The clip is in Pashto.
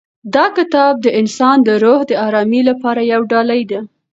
دا کتاب د انسان د روح د ارامۍ لپاره یوه ډالۍ ده.